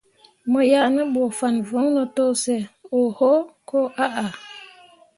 Mo yah ne bu fah voŋno to sə oho koo ahah.